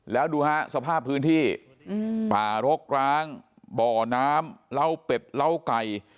แล้วดูฮะสภาพพื้นที่ป่ารกร้างบ่อน้ำเหล้าเป็ดเหล้าไก่